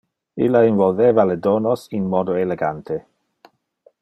Illa involveva le donos in modo elegante.